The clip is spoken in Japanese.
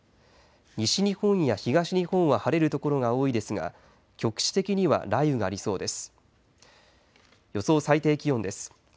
西日本や東日本は晴れるところが多いですが局地的には雷雨がありそうです。